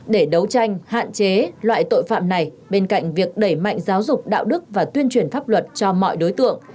để đấu tranh hạn chế loại tội phạm này bên cạnh việc đẩy mạnh giáo dục đạo đức và tuyên truyền pháp luật cho mọi đối tượng